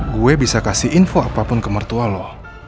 gue bisa kasih info apapun ke mertua lo